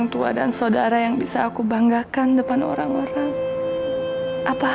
ibu kan selalu mengrichalar denyernya